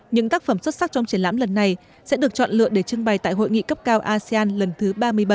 những tác phẩm xuất sắc trong triển lãm lần này sẽ được chọn lựa để trưng bày tại hội nghị cấp cao asean lần thứ ba mươi bảy